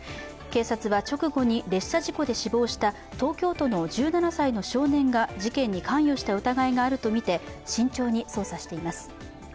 警察は、直後に列車事故で死亡した東京都の１７歳の少年が事件に関与した疑いがあるとみて慎重に捜査しています。